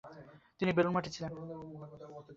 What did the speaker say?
তিনি বেলুড় মঠে ছিলেন।